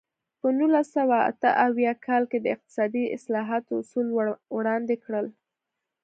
په نولس سوه اته اویا کال کې د اقتصادي اصلاحاتو اصول وړاندې کړل.